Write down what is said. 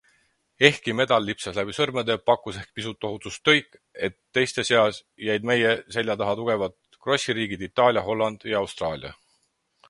Ehkki medal lipsas läbi sõrmede, pakkus ehk pisut lohutust tõik, et teiste seas jäid meie selja taha tugevad krossiriigid Itaalia, Holland ja Austraalia.